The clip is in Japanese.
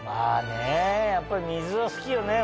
やっぱり水は好きよね俺。